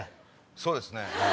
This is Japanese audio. そうですね。